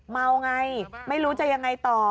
เมาไงไม่รู้จะยังไงต่อ